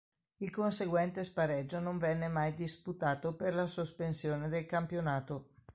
Il conseguente spareggio non venne mai disputato per la sospensione del campionato.